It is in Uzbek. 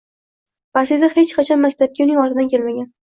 Basida hech qachon maktabga uning ortidan kelmagan